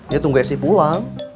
ya tunggu sd pulang